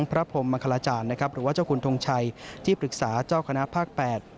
หรือว่าเจ้าคุณทงชัยที่ปรึกษาเจ้าคณะภาค๘